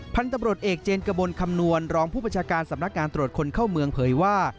พันธุ์ตำรวจเอกเจนกระบวนคำนวณรองผู้บัญชาการสำนักงานตรวจคนเข้าเมืองเผยว่า